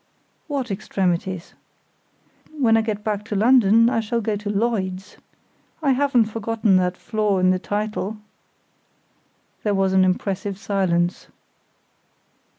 "What extremities?" "When I get back to London I shall go to Lloyd's! I haven't forgotten that flaw in the title." There was an impressive silence.